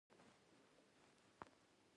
رباب د پښتو ساز دی